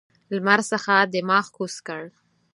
لمر څخه دماغ کوز کړ.